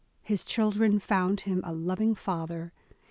His children found him a loving father.